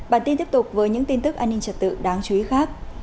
bản tin tiếp tục với những tin tức an ninh trật tự đáng chú ý khác